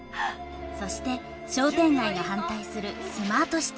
そして商店街が反対するスマートシティ計画。